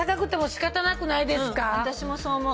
うん私もそう思う。